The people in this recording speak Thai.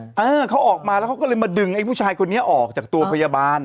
เออเขาออกมาแล้วเขาก็เลยมาดึงไอ้ผู้ชายคนนี้ออกจากตัวพยาบาล